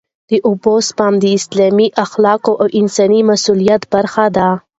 د اوبو سپما د اسلامي اخلاقو او انساني مسوولیت برخه ده.